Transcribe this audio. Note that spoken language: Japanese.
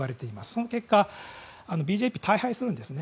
その結果、大敗するんですね。